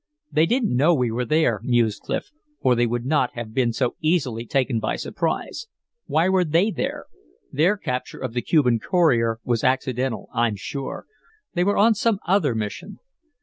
"They didn't know we were there," mused Clif, "or they would not have been so easily taken by surprise. Why were they there? Their capture of the Cuban courier was accidental, I'm sure. They were on some other mission."